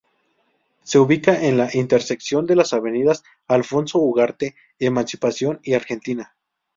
Se ubica en la intersección de las avenidas Alfonso Ugarte, Emancipación y Argentina.